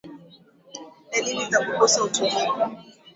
Dalili za kukosa utulivu